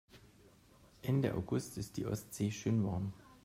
Ende August ist die Ostsee schön warm.